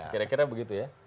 kira kira begitu ya